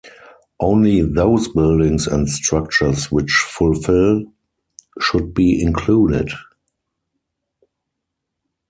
Only those buildings and structures which fulfill should be included.